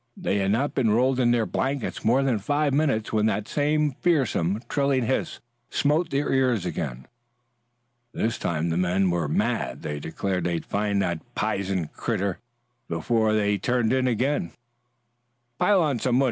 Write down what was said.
They had not been rolled in their blankets more than five minutes when that same fearsome, trilling hiss smote their ears again. This time the men were mad. They declared they'd find the "pizen critter" before ever they turned in again. "Pile on some wood.